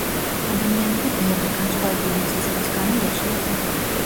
ადამიანები ბევრი, განსხვავებული მიზეზების გამო ლოცულობენ.